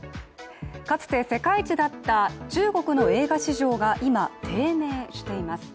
かつて世界一だった中国の映画市場が今、低迷しています。